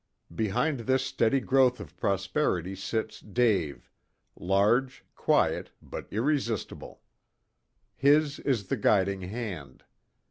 Behind this steady growth of prosperity sits Dave, large, quiet, but irresistible. His is the guiding hand.